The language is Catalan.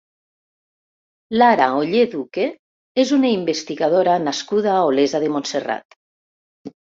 Lara Oller Duque és una investigadora nascuda a Olesa de Montserrat.